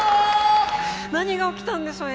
何が起きたんでしょう？